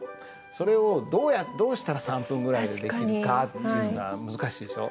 それをどうしたら３分ぐらいにできるかっていうのが難しいでしょ。